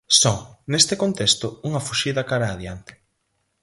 Son, neste contexto, unha fuxida cara a adiante.